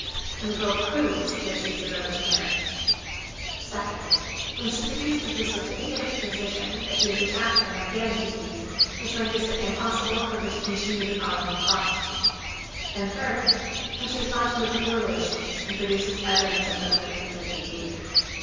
When the girl proves that she is about to marry; 2d. When she produces the certificate of a physician that she is attacked by an organic disease which renders it impossible for her to continue the calling of a prostitute; and, 3d. When she has gone to live with her relations, and produces evidence of her late good behavior.